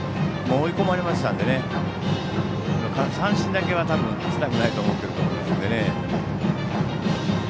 追い込まれましたので三振だけはしたくないと思っていると思うので。